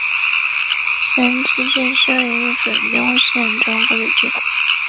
神崎郡是位于日本兵库县中部的郡。